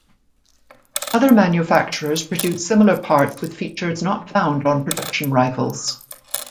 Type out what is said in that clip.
Other manufacturers produced similar parts with features not found on production rifles.